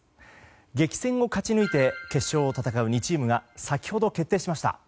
激戦を勝ち抜いて決勝を戦う２チームが先ほど決定しました。